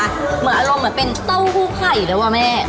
แบบอารมณ์เป็นเต้าหู้ไข่เลยวะแม่